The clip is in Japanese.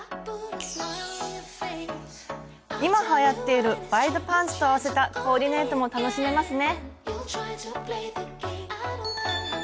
今はやっているワイドパンツと合わせたコーディネートも楽しめますね。